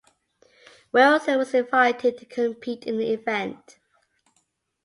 Wilson was invited to compete in the event.